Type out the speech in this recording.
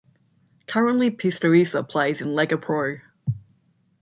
Currently Pistoiese plays in Lega Pro.